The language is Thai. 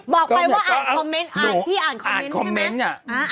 บอกไปว่าอ่านคอมเมนต์อ่านพี่อ่านคอมเมนต์ใช่ไหม